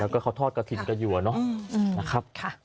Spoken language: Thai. แล้วก็เขาทอดกระทินกระหยัวนะ